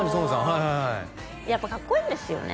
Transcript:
はいはいはいやっぱかっこいいんですよね